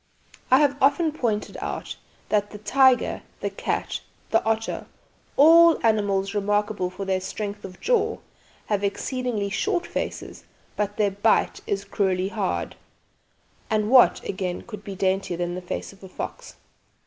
I have often pointed out that the tiger, the cat, the otter, all animals remarkable for their strength of jaw, have exceedingly short faces, but their bite is cruelly hard. And what, again, could be daintier than the face of a fox?